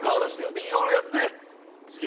でいろいろやって「好き」。